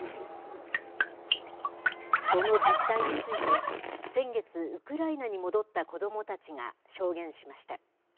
その実態について、先月、ウクライナに戻った子どもたちが証言しました。